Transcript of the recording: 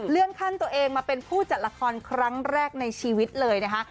ขั้นตัวเองมาเป็นผู้จัดละครครั้งแรกในชีวิตเลยนะคะ